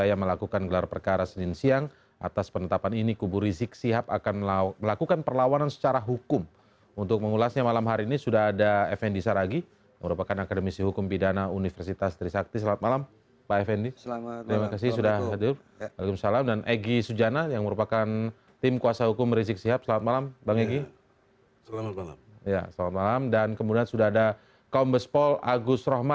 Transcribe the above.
yang dikirimkan oleh rizik dan firza